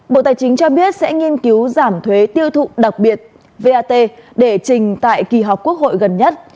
bộ tài chính cho biết sẽ nghiên cứu giảm thuế tiêu thụ đặc biệt vat để trình tại kỳ họp quốc hội gần nhất